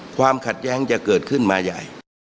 ความขัดแย้งจะเกิดขึ้นมาใหญ่